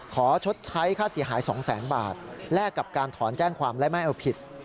ชดใช้ค่าเสียหาย๒แสนบาทแลกกับการถอนแจ้งความและไม่เอาผิด